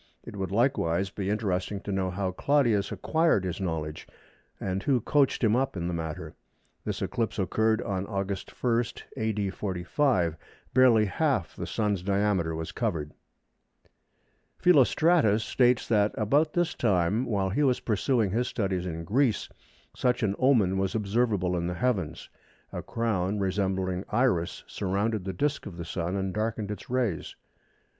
It would, likewise, be interesting to know how Claudius acquired his knowledge, and who coached him up in the matter. This eclipse occurred on August 1, A.D. 45. Barely half the Sun's diameter was covered. Philostratus states that "about this time while he was pursuing his studies in Greece such an omen was observable in the heavens. A crown resembling Iris surrounded the disc of the Sun and darkened its rays."